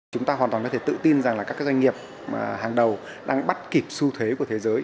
chúng ta hoàn toàn có thể tự tin rằng là các cái doanh nghiệp mà hàng đầu đang bắt kịp su thế của thế giới